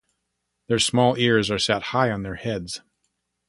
Their small ears are set high on their heads.